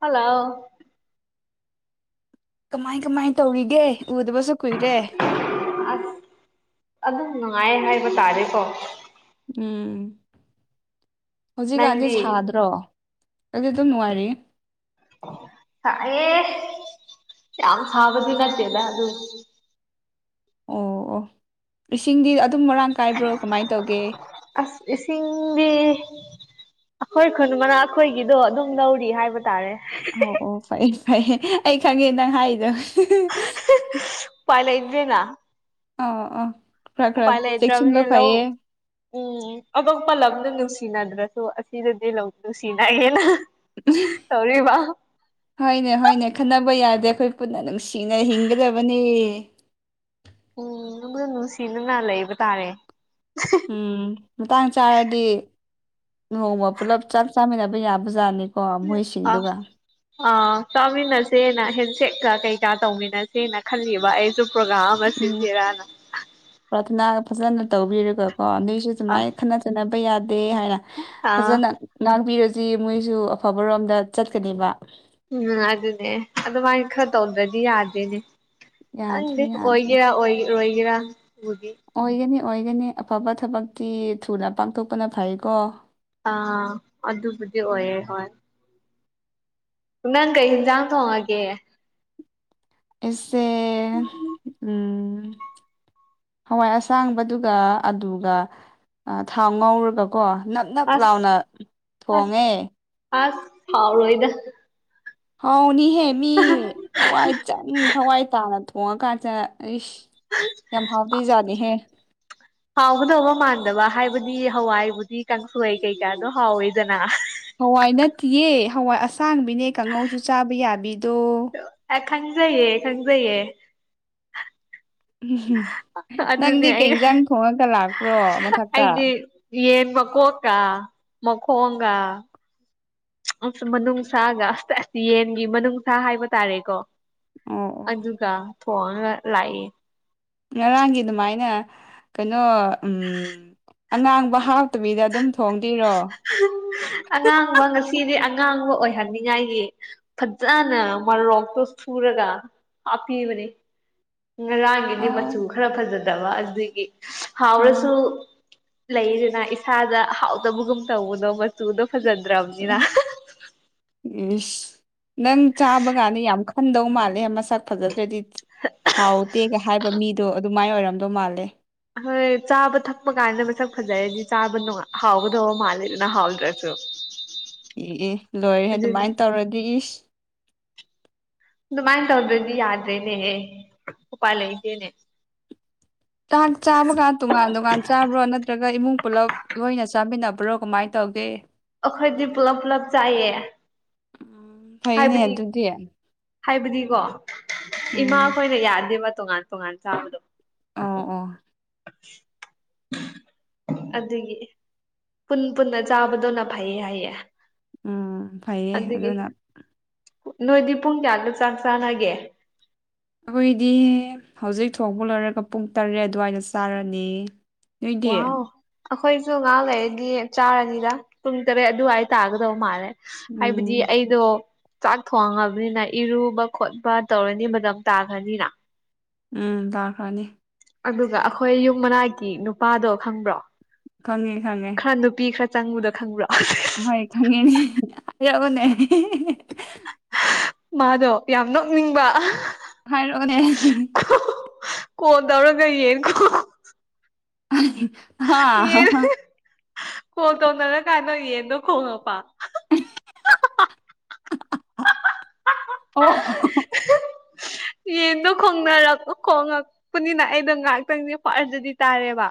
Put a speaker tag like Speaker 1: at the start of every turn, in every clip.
Speaker 1: hello
Speaker 2: ꯀꯃꯥꯏ ꯀꯃꯥꯏ ꯇꯧꯔꯤꯒꯦ ꯎꯗꯕꯁꯨ ꯀꯨꯏꯔꯦ
Speaker 1: ꯑꯁ ꯑꯗꯨꯝ ꯅꯨꯡꯉꯥꯏ ꯍꯥꯏꯕ ꯇꯥꯔꯦꯀꯣ
Speaker 2: ꯎꯝ ꯍꯧꯖꯤꯛꯀꯥꯟꯗꯤ
Speaker 1: ꯅꯪꯗꯤ
Speaker 2: ꯁꯥꯗ꯭ꯔꯣ ꯑꯗꯨꯗꯤ ꯑꯗꯨꯝ ꯅꯨꯡꯉꯥꯏꯔꯑꯦ
Speaker 1: ꯑꯦ ꯌꯥꯝ ꯁꯕꯗꯤ ꯆꯇꯦꯂ ꯑꯗꯨ ꯑꯗꯨ
Speaker 2: ꯑꯣ ꯑꯣ ꯂꯤꯁꯤꯡꯗꯤ ꯑꯗꯨꯝ ꯃꯔꯥꯡ ꯀꯥꯏꯕ꯭ꯔꯣ ꯀꯃꯥꯏꯅ ꯇꯧꯒꯦ
Speaker 1: ꯁꯤꯁꯤꯡꯒ ꯑꯩꯈꯣꯏ ꯈꯨꯟ ꯃꯅꯥ ꯑꯩꯈꯣꯏꯒꯤꯗꯣ ꯑꯗꯨꯝ ꯂꯧꯔꯤ ꯍꯥꯏꯕ ꯇꯥꯔꯦ
Speaker 2: ꯑꯣ ꯑꯣ ꯐꯩ ꯐꯩꯌꯦ ꯑꯩ ꯈꯪꯉꯦ ꯅꯪ ꯍꯥꯏꯗꯧ
Speaker 1: ꯄꯥꯏꯂ ꯏꯗ꯭ꯔꯅ
Speaker 2: ꯑ ꯑ ꯈ꯭ꯔꯥ ꯈ꯭ꯔꯥ ꯆꯦꯛꯁꯤꯟ ꯂꯣ
Speaker 1: ꯂꯩꯇ꯭ꯔꯕꯅꯤꯅ ꯂꯧ
Speaker 2: ꯐꯩꯌꯦ
Speaker 1: ꯎꯝ ꯑꯇꯣꯄ ꯂꯝꯗ ꯅꯨꯡꯁꯤꯅꯗ꯭ꯔꯁꯨ ꯑꯁꯤꯗꯗꯤ ꯅꯨꯡꯁꯤꯅꯑꯦꯅ
Speaker 2: ꯍꯣꯏꯅꯦ ꯍꯣꯏꯅꯦ ꯈꯟꯅꯕ ꯌꯥꯏ ꯑꯗ ꯑꯩꯈꯣꯏ ꯄꯨꯟꯅ ꯅꯨꯡꯁꯤꯅ ꯍꯤꯡꯒꯗꯕꯅꯤ
Speaker 1: ꯎꯅꯅꯨꯡꯁꯤꯅꯅ ꯂꯩ ꯏꯕ ꯇꯥꯔꯦ
Speaker 2: ꯎꯝ ꯃꯇꯥꯡ ꯆꯥꯔꯗꯤ ꯅꯣꯡꯃ ꯄꯨꯜꯂꯞ ꯆꯞ ꯆꯥꯃꯤꯟꯅꯕ ꯌꯥꯕ ꯖꯥꯠꯅꯤ
Speaker 1: ꯑ ꯑ ꯇꯃꯤꯤꯟꯁꯦꯅ ꯍꯦ ꯁꯦꯀ ꯀꯩꯀꯥ ꯇꯧꯃꯤꯟꯅꯁꯦꯅ ꯈꯜꯂꯤꯕ ꯑꯩꯁꯨ ꯄ꯭ꯔꯣꯒ꯭ꯔꯥꯝ ꯑꯃ
Speaker 2: ꯎꯝ
Speaker 1: ꯁꯤꯟꯁꯤꯔꯅ
Speaker 2: ꯄ꯭ꯔꯥꯊꯅꯥ ꯐꯖꯅ ꯇꯧꯕꯤꯔꯦꯒꯀꯣ ꯅꯁꯨ
Speaker 1: ꯑ
Speaker 2: ꯁꯨꯃꯥꯏꯅ ꯈꯠꯅ ꯆꯩꯠꯅꯕ ꯌꯥꯗꯦ ꯑꯩ ꯍꯥꯏꯅ
Speaker 1: ꯑꯥ
Speaker 2: ꯐꯖꯅ ꯉꯥꯡꯕꯤꯔꯁꯤ ꯃꯣꯏꯁꯨ ꯑꯐꯕꯔꯣꯝꯗ ꯆꯠꯀꯅꯦꯕ
Speaker 1: ꯎꯝ ꯑꯗꯨꯅꯦ ꯑꯗꯨꯃꯥꯏꯅ ꯈꯔ ꯇꯧꯗ꯭ꯔꯗꯤ ꯌꯥꯗꯦꯅꯦ
Speaker 2: ꯌꯥꯗ꯭ꯔꯦ
Speaker 1: ꯪꯗꯤꯦ
Speaker 2: ꯌꯥꯗ꯭ꯔꯦ
Speaker 1: ꯑꯣꯏꯒꯦꯔꯥ ꯑꯣꯏ ꯑꯣꯏꯒꯦꯔꯥ
Speaker 2: ꯑꯣꯏꯒꯅꯤ ꯑꯣꯏꯒꯅꯤ ꯑꯐꯕ ꯊꯕꯛꯇꯤ ꯊꯨꯅ ꯄꯥꯡꯊꯣꯛꯄꯅ ꯐꯩꯀꯣ
Speaker 1: ꯑꯥ ꯑꯗꯨꯕꯨꯗꯤ ꯑꯣꯏꯌꯦꯦ ꯍꯣꯏ ꯅꯪ ꯀꯩ ꯌꯦꯟꯁꯥꯡ ꯊꯣꯡꯉꯒꯦ
Speaker 2: ꯑꯦꯁꯦ ꯎꯝ ꯍꯋꯥꯏ ꯑꯁꯥꯡꯕꯗꯨꯒ ꯑꯗꯨꯒ ꯊꯥꯎ ꯉꯧꯔꯒꯀꯣ ꯅꯞ ꯅꯞ ꯂꯥꯎꯅ
Speaker 1: ꯑꯁ ꯑꯁ
Speaker 2: ꯊꯣꯡꯉꯦ
Speaker 1: ꯑꯁ ꯐꯥꯎꯔꯣ ꯏꯗ
Speaker 2: ꯍꯥꯎꯅꯤꯍꯦ ꯃꯤ ꯍꯋꯥꯏ ꯆꯪ ꯊꯋꯥꯏ ꯇꯥꯅ ꯊꯣꯡꯉꯀꯥꯟꯁꯤꯗ ꯑꯩꯁ ꯌꯥꯝ ꯍꯥꯎꯗꯣꯏꯖꯥꯠꯅꯤꯍꯦ
Speaker 1: ꯍꯥꯎꯒꯗꯧꯕ ꯃꯥꯟꯗꯕ ꯍꯥꯏꯕꯗꯤ ꯍꯋꯥꯏꯕꯨꯗꯤ ꯀꯥꯡꯁꯣꯏ ꯀꯩꯀꯥꯗꯣ ꯍꯥꯎꯋꯤꯗꯅ
Speaker 2: ꯍꯋꯥꯏ ꯅꯠꯇꯦꯌꯦ ꯍꯋꯥꯏ ꯑꯁꯥꯡꯕꯤꯅꯦ ꯀꯥꯡꯉꯧꯁꯨ ꯆꯥꯕ ꯌꯥꯕꯤꯗꯣ
Speaker 1: ꯈꯪꯖꯌꯦ ꯈꯪꯖꯌꯦ
Speaker 2: ꯎ ꯅꯪꯗꯤ ꯀꯩ ꯏꯟꯁꯥꯡ ꯊꯣꯡꯉꯒ ꯂꯥꯛꯄ꯭ꯔꯣ ꯃꯊꯛꯇ
Speaker 1: ꯏ ꯀꯣꯀꯥ ꯃꯀꯣꯉꯥ ꯑꯁ ꯃꯅꯨꯡꯅꯨꯡꯁꯥꯒ ꯌꯦꯟꯒꯤ ꯃꯅꯨꯡꯅꯨꯡꯁꯥ ꯍꯥꯏꯕ ꯇꯥꯔꯦꯀꯣ
Speaker 2: ꯑꯣ ꯑꯣ
Speaker 1: ꯑꯗꯨꯒ ꯊꯣꯡ ꯂꯥꯛꯌꯦ
Speaker 2: ꯉꯔꯥꯡꯒꯤ ꯑꯗꯨꯃꯥꯏꯅ ꯀꯩꯅꯣ ꯎꯝ ꯑꯉꯥꯡꯕ ꯍꯥꯎꯇꯕꯤꯗ ꯑꯗꯨꯝ ꯊꯣꯡ
Speaker 1: ꯑꯉꯥꯡꯕ ꯉꯁꯤꯗꯤꯥꯡ ꯑꯉꯥꯡꯕ ꯑꯣꯏꯍꯟꯅꯤꯡꯉꯥꯏꯒꯤ ꯐꯖꯅ ꯃꯔꯣꯛꯇꯣ ꯁꯨꯔꯒ ꯍꯥꯤꯕꯅꯦ ꯉꯔꯥꯡꯒꯤꯗꯤ
Speaker 2: ꯑꯥ
Speaker 1: ꯃꯆꯨ ꯈꯔ ꯐꯖꯗꯕ ꯑꯗꯨꯒꯤ
Speaker 2: ꯎꯝ
Speaker 1: ꯍꯥꯎꯔꯁꯨ ꯂꯩꯗꯅ ꯏꯁꯥꯗ ꯍꯥꯎꯗꯕꯒꯨꯝ ꯇꯧꯕꯅꯣ ꯃꯆꯨꯗꯣ ꯐꯖꯗ꯭ꯔꯥꯎꯅꯤꯅ
Speaker 2: ꯏꯁ ꯅꯪ ꯆꯥꯕ ꯀꯥꯟꯗ ꯌꯥꯝ ꯈꯟꯗꯧ ꯃꯥꯜꯂꯦ ꯃꯁꯛ ꯐꯖꯗ꯭ꯔꯗꯤ ꯍꯥꯎꯗꯦꯒ ꯍꯥꯏꯕ ꯃꯤꯗꯣ ꯑꯗꯨꯃꯥꯏꯅ ꯑꯣꯏꯔꯝꯗꯧ ꯃꯥꯜꯂꯦ
Speaker 1: ꯍꯣꯏ ꯆꯥ ꯍꯥꯎꯕꯗꯨ ꯍꯥꯎ ꯃꯥ ꯂꯩꯗꯨꯅ ꯍꯥꯎꯗ꯭ꯔꯦꯁꯨ
Speaker 2: ꯏꯑ ꯂꯣꯏꯔꯦ ꯑꯗꯨꯃꯥꯏꯅ ꯇꯧꯔꯗꯤ ꯏꯁ
Speaker 1: ꯑꯗꯨꯃꯥꯏꯅ ꯇꯧꯗ꯭ꯔꯗꯤ ꯌꯥꯗ꯭ꯔꯦꯅꯦꯍꯦ ꯎꯄꯥꯜ ꯂꯩꯇꯦꯅꯦ
Speaker 2: ꯆꯥꯛ ꯆꯥꯕꯒ ꯇꯣꯉꯥꯟ ꯇꯣꯉꯥꯟ ꯆꯥꯕ꯭ꯔꯣ ꯅꯠꯇ꯭ꯔꯒ ꯏꯃꯨꯡ ꯄꯨꯂꯞ ꯂꯣꯏꯅ ꯆꯥꯃꯤꯟꯅꯕ ꯕ꯭ꯔꯣ ꯀꯃꯥꯏꯅ ꯇꯧꯒꯦ
Speaker 1: ꯑꯩꯈꯣꯏꯗꯤ ꯄꯨꯂꯞ ꯄꯨꯂꯞ ꯆꯥꯏꯌꯦ
Speaker 2: ꯎꯝ ꯐꯩꯅꯦ
Speaker 1: ꯍꯥꯏꯕꯗꯤ
Speaker 2: ꯑꯗꯨꯗꯤ
Speaker 1: ꯍꯥꯏꯕꯗꯤꯀꯣ
Speaker 2: ꯎꯝ
Speaker 1: ꯏꯃꯥꯈꯣꯏꯅ ꯌꯥꯗꯦꯕ ꯇꯣꯉꯥꯟ ꯇꯣꯉꯥꯟ ꯆꯥꯕꯗꯣ
Speaker 2: ꯑꯣ ꯑꯣ
Speaker 1: ꯎ ꯑꯗꯨꯒꯤ ꯄꯨꯟ ꯄꯨꯟꯅ ꯆꯥꯕꯗꯣꯅ ꯐꯩꯌꯦ ꯍꯥꯏꯌꯦ
Speaker 2: ꯎꯝ ꯐꯩꯌꯦ
Speaker 1: ꯑꯗꯨꯒꯤ
Speaker 2: ꯑꯗꯨꯅ
Speaker 1: ꯅꯣꯏꯗꯤ ꯄꯨꯡ ꯀꯌꯥꯒ ꯆꯥꯡ ꯆꯥꯟꯅꯒꯦ
Speaker 2: ꯑꯩꯈꯣꯏꯗꯤ ꯍꯧꯖꯤꯛ ꯊꯣꯡꯄ ꯂꯣꯏꯔꯒ ꯄꯨꯡ ꯇꯔꯦꯠ ꯑꯗꯨꯋꯥꯏꯗ ꯆꯥꯔꯅꯤ ꯅꯣꯏꯗꯤꯦ
Speaker 1: ꯋꯥꯎ ꯑꯩꯈꯣꯏꯁꯨ ꯉꯥꯏꯍꯥꯛ ꯂꯩꯒꯤ ꯆꯥꯔꯅꯤꯗ ꯄꯨꯡ ꯇꯔꯦꯠ ꯑꯗꯨꯋꯥꯏ ꯇꯥꯒꯗꯧꯕ ꯃꯥꯜꯂꯦ ꯍꯥꯏꯕꯗꯤ
Speaker 2: ꯎꯝ
Speaker 1: ꯑꯩꯗꯣ ꯆꯥꯛ ꯊꯣꯡꯉꯕꯅꯤꯅ ꯏꯔꯨꯕ ꯈꯣꯠꯄ ꯇꯧꯔꯅꯤ ꯃꯇꯝ ꯇꯥꯈ꯭ꯔꯅꯤꯅ
Speaker 2: ꯎꯝ ꯂꯥꯛꯔꯀꯔꯥꯅꯤ
Speaker 1: ꯑꯗꯨꯒ ꯑꯩꯈꯣꯏ ꯌꯨꯝ ꯃꯅꯥꯛꯒꯤ ꯅꯨꯄꯥꯗꯣ ꯈꯪꯕ꯭ꯔꯣ
Speaker 2: ꯈꯪꯉꯦ ꯈꯪꯉꯦ
Speaker 1: ꯆꯪꯉꯨꯗ ꯈꯪꯕ꯭ꯔꯣ
Speaker 2: ꯑꯍꯣꯏ ꯈꯪꯉꯦꯅꯦ ꯑ ꯌꯥꯕꯅꯦ
Speaker 1: ꯃꯥꯗꯣ ꯌꯥꯝ ꯅꯣꯛꯅꯤꯡꯕ
Speaker 2: ꯍꯥꯏꯔꯛꯑꯣꯅꯦ
Speaker 1: ꯀꯣ ꯇꯧꯔꯒ ꯌꯦꯀꯣ
Speaker 2: ꯍꯥ
Speaker 1: ꯌꯦꯟ ꯈꯣꯡ ꯇꯧꯅꯔꯀꯥꯟꯗꯣ ꯌꯦꯟꯗꯣ ꯈꯣꯡꯉꯛꯄ
Speaker 2: ꯑꯣ [inaudible]
Speaker 1: ꯌꯦꯟꯗꯣ ꯈꯣꯡꯅꯔꯛ ꯈꯣꯡꯉꯛꯄꯅꯤꯅ ꯑꯩꯗꯣ ꯉꯥꯏꯍꯥꯛꯇꯪꯅꯦ ꯄꯔꯖꯗꯤ ꯇꯥꯔꯦꯕ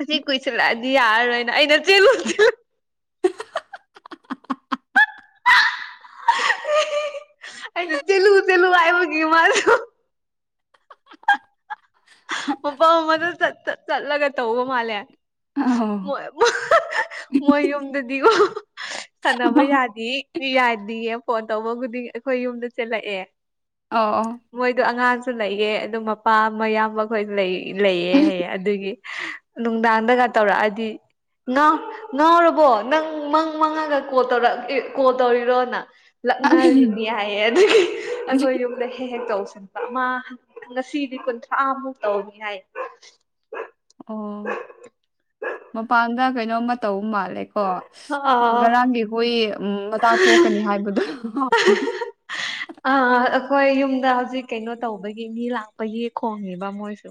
Speaker 1: ꯀꯁꯂꯗꯤ ꯌꯥꯔꯅ ꯏꯗꯔ
Speaker 2: ꯑ
Speaker 1: [inaudible] ꯑꯩꯅ ꯆꯦꯜꯂꯨ ꯆꯦꯜꯂꯨ ꯍꯥꯏꯕꯒꯤ ꯃꯥꯁꯨ ꯃꯄ ꯝꯃꯗ ꯆꯠꯂꯒ ꯇꯧꯕ ꯃꯥꯜꯂꯦ
Speaker 2: ꯑꯣ
Speaker 1: ꯃꯣꯏ ꯃꯣꯏ ꯌꯨꯝꯗꯗꯤꯀꯣ ꯁꯥꯟꯅꯕ ꯌꯥꯗꯦ ꯌꯥꯗꯌꯦ ꯐꯣꯟ ꯇꯧꯕꯕꯨꯗꯤꯡ ꯑꯩꯈꯣꯏ ꯌꯨꯝꯗ ꯆꯦꯜꯂꯛꯑꯦ
Speaker 2: ꯑꯣ ꯑꯣ
Speaker 1: ꯃꯣꯏꯗꯣ ꯑꯉꯥꯡꯁꯨ ꯂꯩꯌꯦ ꯑꯗꯨ ꯃꯄꯥ ꯃꯌꯥꯝꯕ ꯍꯈꯣꯏ ꯂꯩꯑ ꯍꯌꯦꯑꯦ ꯑꯗꯨꯒꯤ ꯅꯨꯡꯗꯥꯡꯗꯒ ꯇꯧꯔꯛꯑꯗꯤ ꯉ ꯉꯥꯎꯔꯕꯣ ꯅꯪ ꯃꯪ ꯃꯪꯉꯒ ꯀꯣꯜ ꯇꯧꯔꯛ ꯀꯣꯜ ꯇꯧꯔꯤꯔꯣꯅ ꯂꯛꯅꯒꯤꯅꯤ ꯍꯥꯏꯌꯦ ꯑꯗꯨꯗꯤ ꯑꯩꯈꯣꯏ ꯌꯨꯝꯗ ꯍꯦꯛ ꯍꯦꯛ ꯇꯧꯕ ꯑꯃ ꯉꯁꯤꯗꯤ ꯀꯨꯟꯊ꯭ꯔꯥꯃꯨꯛ ꯇꯧꯅꯤ ꯍꯥꯏ
Speaker 2: ꯑꯣ ꯃꯄꯥꯟꯗ ꯀꯩꯅꯣꯃ ꯇꯧ ꯃꯥꯜ ꯆꯠꯂꯦꯀꯣ
Speaker 1: ꯑꯥ
Speaker 2: ꯉꯔꯥꯡꯒꯤ ꯍꯨꯏ ꯎ ꯃꯇꯥꯛ ꯄꯣꯛꯀꯅꯤ ꯍꯥꯏꯕꯗꯣ
Speaker 1: ꯑ ꯑꯩꯈꯣꯏ ꯌꯨꯝꯗ ꯍꯧꯖꯤꯛ ꯀꯩꯅꯣ ꯇꯧꯕꯒꯤ ꯃꯤ ꯂꯥꯛꯄꯒꯤ ꯈꯣꯡꯉꯦꯕ ꯃꯣꯏꯁꯨ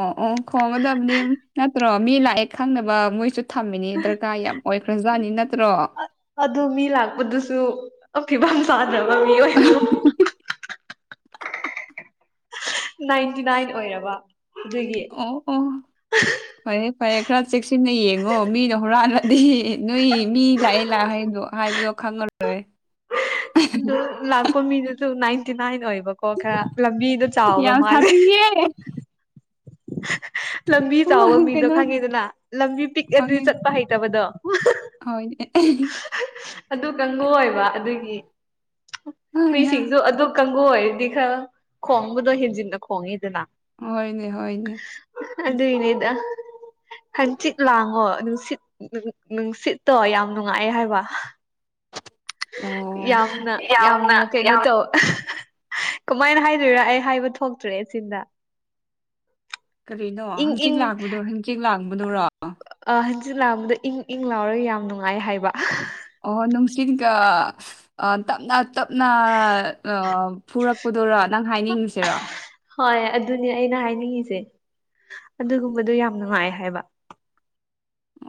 Speaker 2: ꯑꯣ ꯑꯣ ꯈꯣꯡꯒꯗꯕꯅꯤ ꯅꯠꯇ꯭ꯔꯣ ꯃꯤ ꯂꯥꯛꯑꯦ ꯈꯪꯅꯕ ꯃꯣꯏꯁꯨ ꯊꯝꯃꯤꯅꯦ ꯗꯔꯀꯥꯔ ꯌꯥꯝ ꯑꯣꯏꯈ꯭ꯔꯖꯥꯠꯅꯤ ꯅꯠꯇ꯭ꯔꯣ
Speaker 1: ꯑꯣꯀꯤꯐꯝ ꯆꯗ꯭ꯔꯕ ꯃꯤ ꯑꯣꯏꯅ ꯅꯥꯏꯟꯇꯤ ꯅꯥꯏꯟ ꯑꯣꯏꯔꯕ ꯑꯗꯨꯒꯤ
Speaker 2: ꯑꯣ ꯑꯣ ꯐꯔꯦ ꯐꯔꯦ ꯈꯔ ꯆꯦꯛꯁꯤꯟꯅ ꯌꯦꯡꯉꯣ ꯃꯤꯅ ꯍꯨꯔꯜꯂꯗꯤ ꯅꯣꯏ ꯃꯤ ꯂꯥꯛꯑꯦ ꯂꯥꯛ ꯍꯥꯏꯗꯣ ꯍꯥꯏꯕꯗꯣ ꯈꯦ
Speaker 1: ꯂꯥꯛꯄꯣ ꯃꯤ ꯅꯥꯏꯟꯇꯤ ꯅꯏꯟ ꯑꯣꯏ [unintelligible] ꯈꯔ ꯂꯝꯕꯤꯗꯣ ꯆꯥꯎꯕ
Speaker 2: ꯌꯥꯝ
Speaker 1: ꯃꯥꯜꯂꯦ
Speaker 2: ꯁꯥꯊꯤꯌꯦ
Speaker 1: ꯂꯝꯕꯤ ꯆꯥꯎꯕ
Speaker 2: ꯎꯝ
Speaker 1: ꯃꯤꯗꯣ
Speaker 2: ꯀꯩꯅꯣ
Speaker 1: ꯈꯪꯉꯤꯗꯅ ꯂꯝꯕꯤ ꯄꯤꯛ ꯑꯗꯨꯗꯤ ꯆꯠꯄ ꯍꯩꯇꯕꯗꯣ
Speaker 2: ꯍꯗꯤ
Speaker 1: ꯑꯗꯨ ꯀꯥꯡꯉ ꯑꯣꯏꯕ ꯑꯗꯨꯒꯤ
Speaker 2: ꯍꯣꯏ
Speaker 1: ꯍꯨꯏꯁꯤꯡꯁꯨ ꯑꯗꯨ ꯍꯒꯣꯏꯗꯤ ꯈꯔ ꯈꯣꯡꯕꯗꯣ ꯍꯦꯟꯖꯤꯟꯅ ꯈꯣꯡꯉꯤꯗꯅ
Speaker 2: ꯍꯣꯏꯅꯦ ꯍꯣꯏꯅꯦ
Speaker 1: ꯑꯗꯨꯏꯅꯦꯗ ꯍꯪꯆꯤꯠ ꯂꯥꯡꯉꯣ ꯅꯨꯡꯁꯤꯠ ꯅꯨꯡꯁꯤꯠꯇꯣ ꯌꯥꯝ ꯅꯨꯡꯉꯥꯏꯑꯦ ꯍꯥꯏꯕ
Speaker 2: ꯑꯣ
Speaker 1: ꯌꯥꯝꯅ ꯌꯥꯝꯅ ꯀꯩꯅꯣ ꯇꯧ ꯀꯃꯥꯏꯅ ꯍꯥꯏꯗꯣꯏꯔ ꯑꯩ ꯍꯥꯏꯕ ꯊꯣꯛꯇ꯭ꯔꯦ ꯏꯆꯤꯟꯗ
Speaker 2: ꯀꯔꯤꯅꯣ ꯍꯪꯆꯤꯠ ꯂꯥꯡꯕꯗꯣ ꯍꯪꯆꯤꯠ ꯂꯥꯡꯕꯣ
Speaker 1: ꯑ ꯍꯟꯆꯤꯠ ꯂꯥꯡꯕꯗ ꯏꯪ ꯏꯪ ꯂꯥꯎꯔꯒ ꯌꯥꯝ ꯅꯨꯡꯉꯥꯏ ꯍꯥꯏꯕ
Speaker 2: ꯑꯣ ꯅꯨꯡꯁꯤꯠꯒ ꯇꯞꯅ ꯇꯞꯅ ꯐꯨꯔꯛꯄꯗꯨꯔ ꯅꯪ ꯍꯥꯏꯅꯤꯡꯉꯁꯤꯔꯣ
Speaker 1: ꯍꯣꯏ ꯑꯗꯨꯅꯦ ꯑꯩꯅ ꯍꯥꯏꯅꯤꯡꯉꯤꯁꯦ ꯑꯗꯨꯒꯨꯝꯕꯗꯣ ꯌꯥꯝ ꯅꯨꯡꯉꯥꯏ ꯍꯥꯏꯕ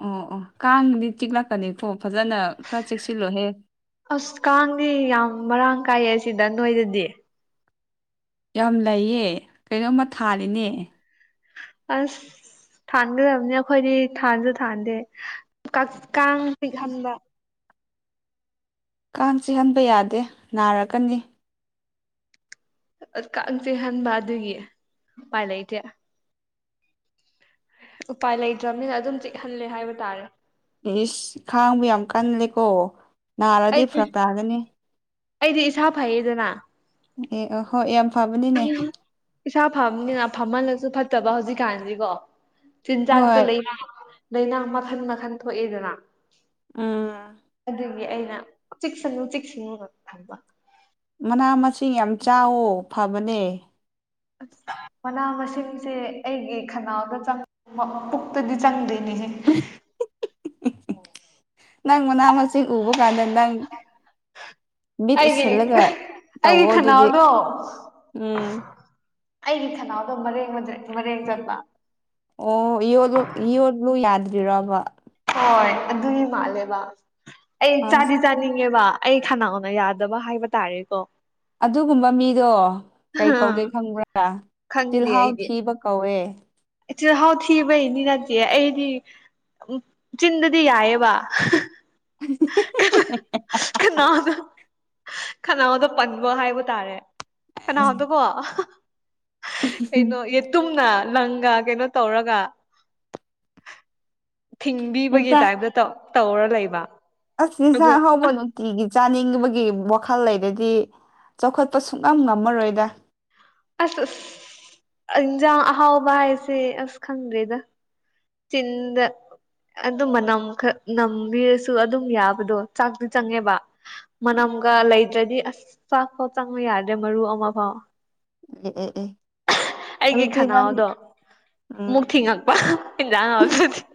Speaker 2: ꯑꯣ ꯑꯣ ꯀꯥꯡꯗꯤ ꯇꯤꯛꯂꯛꯀꯅꯤꯀꯣ ꯐꯖꯅ ꯈꯔ ꯆꯦꯛꯁꯤꯜꯂꯣꯍꯦ
Speaker 1: ꯑꯁ ꯀꯥꯡꯗꯤ ꯌꯥꯝ ꯃꯔꯥꯡ ꯀꯥꯏꯌꯦ ꯁꯤꯗ ꯅꯣꯏꯗꯗꯤ
Speaker 2: ꯌꯥꯝ ꯂꯩꯌꯦ ꯀꯩꯅꯣꯝꯃ ꯊꯥꯔꯤꯅꯦ
Speaker 1: ꯑꯁ ꯊꯥꯟꯒꯗꯕꯅꯤ ꯑꯩꯈꯣꯏꯗꯤ ꯊꯥꯟꯁꯨ ꯊꯥꯟꯗꯦ ꯀꯥꯡ ꯄꯤꯛꯍꯟꯕ
Speaker 2: ꯀꯥꯡ ꯆꯤꯍꯟꯕ ꯌꯥꯗꯦ ꯅꯥꯔꯛꯀꯅꯤ
Speaker 1: ꯑ ꯀꯥꯡꯁꯤꯦ ꯍꯟꯕ ꯑꯗꯨꯒꯤ ꯎ ꯄꯥꯏ ꯂꯩꯇꯦ ꯎꯄꯥꯏ ꯂꯩꯇ꯭ꯔꯕꯅꯤꯅ ꯑꯗꯨꯝ ꯆꯤꯛꯍꯜꯂꯦ ꯍꯥꯏꯕ ꯇꯥꯔꯦ
Speaker 2: ꯈꯥꯡꯕꯨ ꯌꯥꯝ ꯀꯜꯂꯦꯀꯣ ꯅꯥꯔꯗꯤ
Speaker 1: ꯑꯩꯗꯤ
Speaker 2: ꯐꯔꯛ ꯇꯥꯒꯅꯤ
Speaker 1: ꯑꯩꯗꯤ ꯏꯁꯥ ꯐꯩꯌꯦꯗꯅ
Speaker 2: ꯑꯦ ꯑ ꯍꯣꯏ ꯌꯥꯝ ꯐꯕꯅꯤꯅꯦ
Speaker 1: ꯏꯁꯥ ꯐꯝꯅꯤꯅ ꯐꯝꯍꯜꯂꯁꯨ ꯐꯠꯇꯕ ꯍꯧꯖꯤꯛꯀꯥꯟꯗꯤꯀꯣ ꯆꯤꯟꯖꯥꯛꯇ
Speaker 2: ꯍꯣꯏ
Speaker 1: ꯂꯩꯅꯥ ꯂꯥꯏꯅꯥ ꯃꯈꯟ ꯃꯈꯟ ꯊꯣꯛꯑꯦꯗꯅ
Speaker 2: ꯎꯝ
Speaker 1: ꯑꯗꯨꯒꯤ ꯑꯩꯅ ꯆꯤꯛꯁꯅꯨ ꯆꯤꯛꯁꯅꯨꯒ ꯊꯝꯕ
Speaker 2: ꯃꯅꯥ ꯃꯁꯤꯡ ꯌꯥꯝ ꯆꯥꯎꯋ ꯐꯕꯅꯦ
Speaker 1: ꯑ ꯃꯅꯥ ꯃꯁꯤꯡꯁꯦ ꯑꯩꯒꯤ ꯈꯅꯥꯎꯗ ꯆ ꯄꯨꯈꯛꯇꯗꯤ ꯆꯪꯗꯅꯤ
Speaker 2: [inaudible] ꯅꯪ ꯃꯅꯥ ꯃꯁꯤꯡ ꯎꯕ ꯀꯥꯟꯗ ꯅꯪ ꯃꯤꯠ
Speaker 1: ꯑꯩꯒꯤ
Speaker 2: ꯎꯁꯤꯜꯂꯒ
Speaker 1: ꯑꯩꯒꯤ
Speaker 2: ꯇꯧꯋꯣ ꯑꯗꯨꯗꯤ
Speaker 1: ꯈꯅꯥꯎꯗꯣ
Speaker 2: ꯎꯝ
Speaker 1: ꯑꯩꯒꯤ ꯈꯅꯥꯎꯗꯣ ꯃꯔꯦꯡ ꯆꯠꯄ
Speaker 2: ꯑꯣꯣꯂꯨ ꯌꯣꯜꯂꯨ ꯌꯥꯗ꯭ꯔꯤꯔꯕ
Speaker 1: ꯍꯣꯏ ꯑꯗꯨꯒꯤ ꯃꯥꯜꯂꯦꯕ ꯑꯩ
Speaker 2: ꯑꯁ
Speaker 1: ꯆꯥꯗꯤ ꯆꯥꯅꯤꯡꯉꯦꯕ ꯑꯩ ꯈꯅꯥꯅ ꯌꯥꯗꯕ ꯍꯥꯏꯕ ꯇꯥꯔꯦꯀꯣ
Speaker 2: ꯑꯗꯨꯒꯨꯝꯕ ꯃꯤꯗꯣ ꯀꯩ ꯀꯧꯒꯦ ꯈꯪꯕ꯭ꯔꯥ
Speaker 1: ꯈꯪꯗꯦ
Speaker 2: ꯇꯤꯜꯍꯥꯎ
Speaker 1: ꯑꯩꯗꯤ
Speaker 2: ꯊꯤꯕ ꯀꯧ ꯍꯑꯦ
Speaker 1: ꯆꯤꯜꯍꯥꯎ ꯊꯤꯕꯩꯅꯤ ꯅꯗꯤꯦ ꯑꯩꯗꯤ ꯆꯤꯟꯗꯗꯤ ꯌꯥꯌꯦ ꯋꯥ ꯀꯅꯥꯅ ꯀꯅꯥꯎꯗ ꯄꯟꯕ ꯍꯥꯏꯕ ꯇꯥꯔꯦ ꯀꯅꯥꯗꯀꯣ ꯀꯩꯅꯣ ꯌꯦꯇꯨꯝꯅ ꯂꯪꯒ ꯀꯩꯅꯣ ꯇꯧꯔꯒ ꯊꯤꯡꯕꯤꯕꯒꯤ ꯇꯥꯏꯞꯇ ꯇꯧꯔ ꯂꯩꯕ ꯑꯗꯣ
Speaker 2: ꯑ ꯍꯕꯅ
Speaker 1: ꯑꯁ
Speaker 2: ꯆꯥꯅꯤꯡꯕꯒꯤ ꯋꯥꯈꯜ ꯂꯩꯗꯗꯤ ꯆꯥꯎꯈꯠꯄ ꯁꯨꯡꯛꯅꯝ ꯉꯝꯃꯔꯣꯏꯗ
Speaker 1: ꯑꯁ ꯑꯁ ꯏꯟꯖꯥꯡ ꯑꯍꯥꯎꯕ ꯍꯥꯏꯁꯦ ꯑꯁ ꯈꯪꯗꯦꯗ ꯆꯤꯟꯗ ꯑꯗꯨ ꯃꯅꯝ ꯅꯝꯕꯤꯔꯁꯨ ꯑꯗꯨꯝ ꯌꯥꯕꯗꯣ ꯆꯥꯛꯇꯤ ꯆꯪꯉꯦꯕ ꯃꯅꯝ ꯒ ꯂꯩꯗ꯭ꯔꯗꯤ ꯑꯁ ꯆꯥꯛꯐꯥꯎ ꯆꯪꯕ ꯌꯥꯗ꯭ꯔꯦ ꯃꯔꯨ ꯑꯃ ꯐꯥꯎ
Speaker 2: ꯑꯦ ꯑꯦ ꯑꯦ
Speaker 1: ꯑꯩꯒꯤ
Speaker 2: ꯑꯗꯨꯗꯤ ꯅꯪ
Speaker 1: ꯈꯅꯥꯎꯗꯣ ꯃꯨꯛ
Speaker 2: ꯎꯝ
Speaker 1: ꯊꯤꯡꯉꯛꯄ ꯗꯤꯦ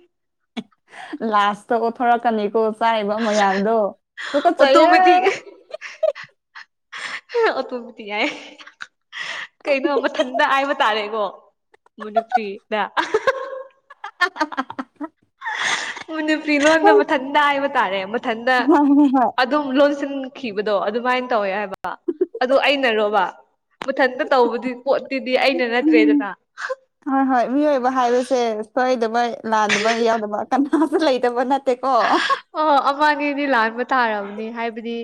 Speaker 2: ꯂꯥꯁ ꯀꯣ ꯊꯔ ꯀꯅꯤ ꯀꯣ ꯆꯥꯏꯕ ꯃꯌꯥꯝꯗꯣ ꯇ ꯀ ꯆꯌꯦ
Speaker 1: ꯑꯣꯇꯣꯃꯦꯇꯤꯛ ꯑꯣ ꯇꯨꯝꯗꯤ ꯌꯥꯏ ꯀꯩꯅꯣ ꯃꯊꯟꯇ ꯍꯥꯏꯕ ꯇꯥꯔꯦꯀꯣ ꯃꯅꯤꯐ꯭ꯔꯤꯗ
Speaker 2: [unintelligible]
Speaker 1: ꯃꯅꯤꯄꯤꯨ ꯂꯣꯟꯗ
Speaker 2: ꯍꯣꯏ
Speaker 1: ꯃꯊꯟꯇ ꯍꯥꯏꯕ ꯇꯥꯔꯦ ꯃꯊꯟꯗ
Speaker 2: ꯍꯣꯏ ꯍꯣꯏ ꯍꯣꯏ
Speaker 1: ꯑꯗꯨꯝ ꯂꯣꯟꯁꯤꯟ ꯊꯣꯛꯈꯤꯕꯗꯣ ꯑꯗꯨꯃꯥꯏꯅ ꯇꯧꯋꯦ ꯍꯥꯏꯕ ꯑꯗꯨ ꯑꯩꯅꯔꯣꯕ ꯃꯊꯟꯛꯇ ꯇꯧꯕꯗꯤ ꯄꯣꯠꯇꯤꯗꯤ ꯑꯩꯅ
Speaker 2: ꯎꯝ
Speaker 1: ꯅꯠꯇ꯭ꯔꯦꯗꯅ
Speaker 2: ꯍꯣꯏ ꯍꯣꯏ ꯃꯤꯑꯣꯏꯕ ꯍꯥꯏꯕꯁꯦ ꯁꯣꯏꯗꯕ ꯂꯥꯟꯗꯕ ꯌꯥꯎꯗꯕ ꯀꯅꯥꯁꯨ ꯂꯩꯇꯕ ꯅꯠꯇ
Speaker 1: ꯑꯣ ꯑꯃꯉꯗꯤ ꯂꯥꯟꯕ ꯇꯥꯔꯕꯅꯤ ꯍꯥꯏꯕꯗꯤ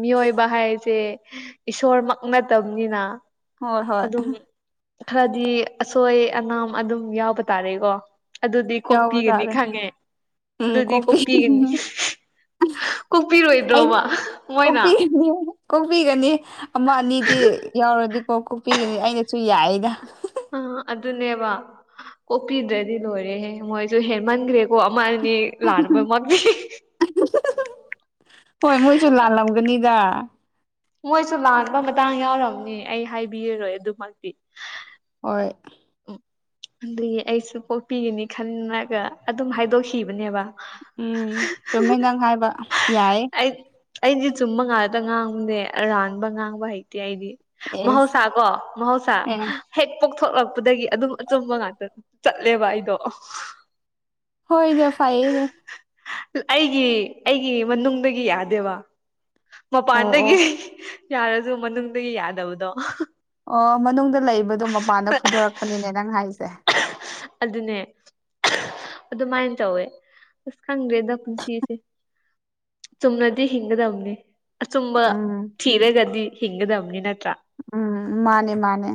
Speaker 1: ꯃꯤꯑꯣꯏꯕ ꯍꯥꯏꯁꯦ ꯏꯁꯣꯔꯃꯛ ꯅꯠꯇꯕꯅꯤꯅ
Speaker 2: ꯍꯣꯏ ꯍꯣꯏ
Speaker 1: ꯑꯗꯨꯝ ꯈꯔꯗꯤ ꯑꯁꯣꯏ ꯑꯅꯥꯥꯝ ꯑꯗꯨꯝ ꯌꯥꯎꯕ ꯇꯥꯔꯦꯀꯣ ꯑꯗꯨꯗꯤ
Speaker 2: ꯌꯥꯎꯕ
Speaker 1: ꯀꯣꯛꯄꯤꯒꯅꯤ
Speaker 2: ꯇꯥꯔꯦ
Speaker 1: ꯈꯪꯉꯦ ꯑꯗꯨꯗꯤ ꯀꯣꯛꯄꯤꯒꯅꯤ
Speaker 2: ꯑꯩꯅ
Speaker 1: ꯀꯣꯛꯄꯤꯔꯣꯏꯗ꯭ꯔꯣꯕ ꯃꯣꯏꯅ
Speaker 2: ꯀꯣꯛꯄꯤꯒꯅꯤ ꯀꯣꯛꯄꯤꯒꯅꯤ ꯑꯃ ꯑꯅꯤꯗꯤ ꯌꯥꯎꯔꯗꯤꯀꯣꯛ ꯀꯣꯛꯄꯤꯒꯅꯤ ꯑꯩꯅꯁꯨ ꯌꯥꯏꯌꯦꯩꯅ
Speaker 1: ꯑ ꯑꯗꯨꯅꯦꯕ ꯑꯣꯣꯄꯤꯗꯗꯤ ꯂꯣꯏꯔꯦꯍꯦ ꯃꯣꯏꯁꯨ ꯍꯦꯃꯟꯈ꯭ꯔꯦ ꯀꯣ ꯑꯃ ꯑꯅꯤ ꯂꯅꯕ ꯃꯝꯃꯤ
Speaker 2: ꯍꯣꯏ ꯃꯣꯏꯁꯨ ꯂꯥꯜꯂꯝꯒꯅꯤꯗ
Speaker 1: ꯃꯣꯏꯁꯨ ꯂꯥꯟꯕ ꯃꯇꯥꯡ ꯌꯥꯎꯔꯝꯅꯤ ꯑꯩ ꯍꯥꯏꯕꯤꯔꯔꯣꯏ ꯑꯗꯨꯃꯛꯇꯤ
Speaker 2: ꯍꯣꯏ
Speaker 1: ꯑꯗꯨꯗꯒꯤ ꯑꯩꯁꯨ ꯄꯣꯛꯄꯤꯒꯅꯤ ꯈꯟꯂꯒ ꯑꯗꯨꯝ ꯍꯥꯏꯗꯣꯛꯈꯤꯕꯅꯦꯕ
Speaker 2: ꯎꯝ ꯆꯨꯝꯃꯤꯗꯪ ꯍꯥꯏꯕ ꯌꯥꯏꯌꯦ
Speaker 1: ꯑꯩ ꯑꯩꯗꯤ ꯆꯨꯝꯕ ꯉꯥꯂꯇ ꯉꯥꯡꯕꯅꯦ ꯑꯔꯥꯟꯕ ꯉꯥꯡꯕ ꯍꯩꯇꯦ ꯑꯩꯗꯤ
Speaker 2: ꯑꯦꯁ
Speaker 1: ꯃꯍꯧꯁꯥ ꯀꯣ ꯃꯍꯧꯁꯥ
Speaker 2: ꯑꯦ
Speaker 1: ꯍꯦꯛ ꯄꯣꯛꯊꯣꯛꯂꯛ ꯗꯒꯤ ꯑꯗꯨꯝ ꯑꯆꯨꯝꯕ ꯉꯥꯛꯇ ꯆꯠꯂꯦꯕ ꯑꯩꯗꯣ
Speaker 2: ꯍꯣꯏꯗꯦ ꯐꯅꯦ
Speaker 1: ꯑꯩꯒꯤ ꯑꯩꯒꯤ ꯃꯅꯨꯡꯗꯒꯤ ꯌꯥꯗꯦꯕ
Speaker 2: ꯑꯣ ꯑꯣ
Speaker 1: ꯃꯄꯥꯟꯗꯒꯤ ꯌꯥꯔꯁꯨ ꯃꯅꯨꯡꯗꯒꯤ ꯌꯥꯗꯕꯗꯣ
Speaker 2: ꯑꯣ ꯃꯅꯨꯡꯗ ꯂꯩꯕꯗꯣ ꯃꯄꯥꯟꯗ ꯐꯨꯗꯣꯔꯛꯄꯅꯤꯅꯦ ꯅꯪ ꯍꯥꯏꯁꯦ
Speaker 1: ꯑꯗꯨꯅꯦ ꯑꯗꯨꯃꯥꯏꯅ ꯇꯧꯋꯦ ꯑꯁ ꯈꯪꯗ꯭ꯔꯦꯗ ꯄꯨꯟꯁꯤꯁꯦ ꯁꯨꯃꯅꯗꯤ ꯍꯤꯡꯒꯗꯝꯅꯤ ꯑꯁꯨꯝꯕ
Speaker 2: ꯎꯝ
Speaker 1: ꯊꯤꯔꯒꯗꯤ ꯍꯤꯡꯒꯗꯕꯅꯤ ꯅꯠꯇ꯭ꯔꯥ
Speaker 2: ꯎꯝ ꯃꯥꯅꯦ ꯃꯥꯅꯦ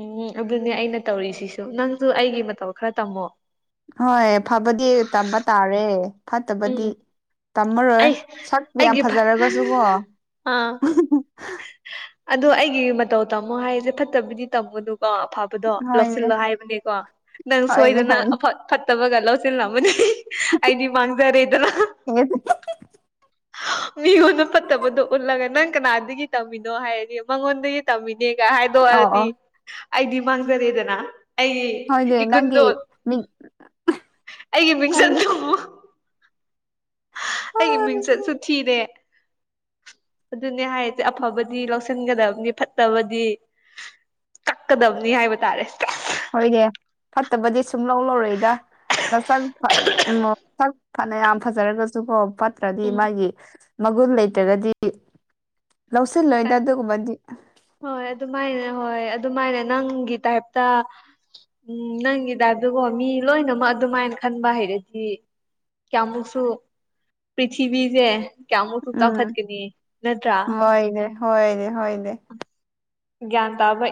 Speaker 1: ꯎꯝ ꯑꯗꯨꯅꯦ ꯑꯩꯅ ꯇꯧꯔꯤꯁꯤꯁꯨ ꯅꯪꯁꯨ ꯑꯩꯒꯤ ꯃꯇꯧ ꯈꯔ ꯇꯝꯃꯣ
Speaker 2: ꯍꯣꯏ ꯐꯕꯗꯤ ꯇꯝꯕ ꯇꯥꯔꯦ ꯐꯠꯇꯕꯗꯤ
Speaker 1: ꯎꯝ
Speaker 2: ꯇꯝꯃꯔꯣꯏ
Speaker 1: ꯑꯩ
Speaker 2: ꯁꯛꯄ ꯌꯥꯝ
Speaker 1: ꯑꯩꯒꯤ
Speaker 2: ꯐꯖꯔꯒꯁꯨ ꯀꯣ
Speaker 1: ꯑꯥ ꯑꯗꯣ ꯑꯩꯒꯤ ꯃꯇꯧ ꯇꯥꯃꯣ ꯍꯥꯏꯁꯦ ꯐꯠꯇꯕꯗꯤ ꯇꯝꯃꯨꯅꯨꯀꯣꯕ ꯗꯣ
Speaker 2: ꯍꯣꯏꯅꯦ
Speaker 1: ꯂꯧꯁꯤꯜꯂꯣ ꯍꯥꯏꯕꯅꯦꯀꯣ ꯅꯪ
Speaker 2: ꯍꯣꯏꯅꯦ
Speaker 1: ꯁꯣꯏꯗꯅ
Speaker 2: ꯍꯣꯏꯅꯦ
Speaker 1: ꯑꯐ ꯐꯠꯇꯕꯒ ꯂꯧꯁꯤꯜꯂꯝꯃꯅꯦ ꯑꯗꯤ ꯃꯥꯡꯖꯔꯦꯗꯅ ꯃꯤꯉꯣꯟꯗ ꯐꯠꯇꯕꯗꯣ ꯎꯠꯂꯒ ꯅꯪ ꯀꯅꯥꯗꯒꯤ ꯇꯝꯃꯤꯅꯣ ꯍꯥꯏꯔꯗꯤ ꯃꯉꯣꯟꯗꯒꯤ ꯇꯝꯃꯤꯅꯣ ꯒ
Speaker 2: ꯑꯣ
Speaker 1: ꯍꯥꯏꯗꯣꯛꯑꯔꯗꯤ
Speaker 2: ꯑꯣ
Speaker 1: ꯑꯩꯗꯤ ꯃꯥꯡꯖꯔꯦꯗꯅ ꯑꯩ
Speaker 2: ꯍꯣꯏꯅꯦ ꯅꯪꯒꯤ
Speaker 1: ꯏꯀꯨꯟꯗꯣ
Speaker 2: ꯃꯤ
Speaker 1: ꯑꯩꯒꯤ ꯃꯤꯡꯁꯟ
Speaker 2: ꯍꯣꯏꯅꯦ
Speaker 1: ꯊ ꯑꯩꯒꯤ ꯃꯤꯡꯆꯠꯁꯨꯊꯤꯅꯦ ꯑꯗꯨꯅꯦ ꯍꯥꯏꯁꯦ ꯑꯐꯕꯗꯤ ꯂꯧꯁꯤꯟꯒꯗꯕꯅꯤ ꯐꯠꯇꯕꯗꯤ ꯀꯛꯀꯗꯕꯅꯤ ꯍꯥꯏꯕ ꯇꯥꯔꯦ
Speaker 2: ꯍꯣꯏꯅꯦ ꯐꯠꯇꯕꯗꯤ ꯁꯨꯝ ꯂꯧ ꯂꯧꯔꯛꯏꯗ ꯁ ꯎꯝꯛ ꯐꯅ ꯌꯥꯝ ꯐꯖꯔꯒꯁꯨꯀꯣꯠ ꯅꯠꯇ꯭ꯔꯗꯤ
Speaker 1: ꯎꯝ
Speaker 2: ꯃꯥꯒꯤ ꯃꯒꯨꯟ ꯂꯩꯇ꯭ꯔꯒꯗꯤ ꯂꯧꯁꯤꯜꯂꯣꯏꯗ ꯑꯗꯨꯒꯨꯝꯕꯗꯤ
Speaker 1: ꯍꯣꯏ ꯑꯗꯨꯃꯥꯏꯅ ꯍꯣꯏ ꯑꯗꯨꯃꯥꯏꯅ ꯅꯪꯒꯤ ꯇꯥꯏꯞꯇ ꯎꯝ ꯅꯪꯒꯤꯗ ꯑꯗꯨꯣ ꯃꯤ ꯂꯣꯏꯅꯃꯛ ꯑꯗꯨꯃꯥꯏꯅ ꯈꯟꯕ ꯍꯩꯔꯗꯤ ꯀꯃꯨꯛꯁꯨ ꯄ꯭ꯔꯤꯊꯤꯕꯤꯁꯦ ꯀꯌꯥꯃꯨ ꯁꯨꯇꯥ
Speaker 2: ꯎꯝ
Speaker 1: ꯐꯠꯀꯅꯤ ꯅꯠꯇ꯭ꯔꯥ
Speaker 2: ꯍꯣꯏꯅꯦ ꯍꯣꯏꯅꯦ ꯍꯣꯏꯅꯦ
Speaker 1: ꯭ꯟ ꯇꯕꯩ